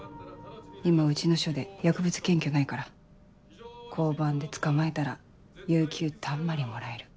今うちの署で薬物検挙ないから交番で捕まえたら有休たんまりもらえる。